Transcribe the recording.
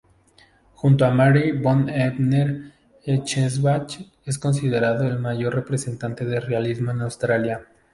Junto a Marie von Ebner-Eschenbach es considerado el mayor representante del realismo en Austria.